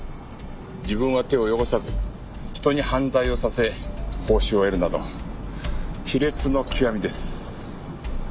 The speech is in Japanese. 自分は手を汚さず人に犯罪をさせ報酬を得るなど卑劣の極みです。